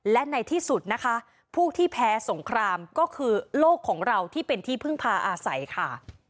และในที่สุดนะคะผู้ที่แพ้สงครามก็คือโลกของเราที่เป็นที่พึ่งพาอาศัยค่ะ